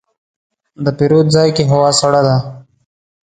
د پیرود ځای کې هوا سړه ده.